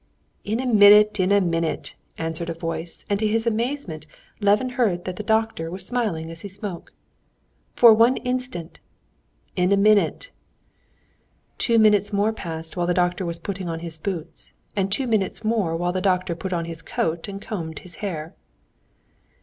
"In a minute; in a minute!" answered a voice, and to his amazement Levin heard that the doctor was smiling as he spoke. "For one instant." "In a minute." Two minutes more passed while the doctor was putting on his boots, and two minutes more while the doctor put on his coat and combed his hair.